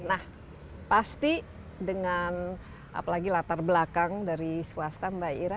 nah pasti dengan apalagi latar belakang dari swasta mbak ira